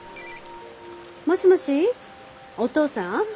もしもしおとうさん？